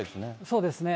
そうですね。